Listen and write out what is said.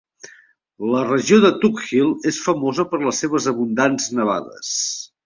La regió de Tug Hill és famosa per les seves abundants nevades.